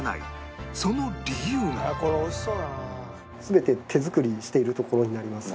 全て手作りしているところになります。